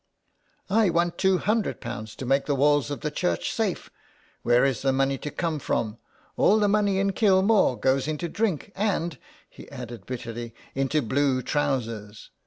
" I want two hundred pounds to make the walls of the church safe. Where is the money to come from ? All the money in Kilmore goes into drink, and," he added bitterly, " into blue trousers.